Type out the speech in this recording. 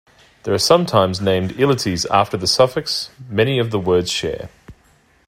These are sometimes named "ilities" after the suffix many of the words share.